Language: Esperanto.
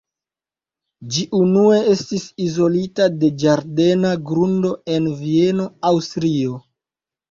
Ĝi unue estis izolita de ĝardena grundo en Vieno, Aŭstrio.